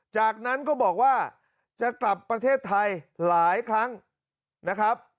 จากนั้นก็บอกว่าจะกลับประเทศไทยหลายครั้งนะครับ